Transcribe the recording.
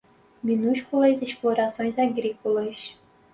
minúsculas explorações agrícolas